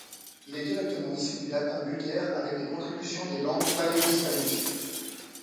Il est directement issu du latin vulgaire, avec des contributions des langues paléo-hispaniques.